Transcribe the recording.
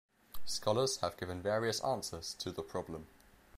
Scholars have given various answers to the problem.